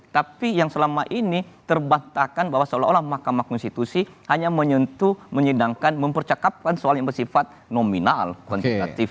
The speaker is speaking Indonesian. tapi yang selama ini terbantahkan bahwa seolah olah mahkamah konstitusi hanya menyentuh menyidangkan mempercakapkan soal yang bersifat nominal konsentratif